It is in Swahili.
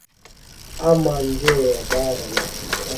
ama nje ya bara la afrika